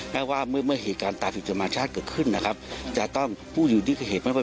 ถ้าใครก็เหตุหลังกับเหตุ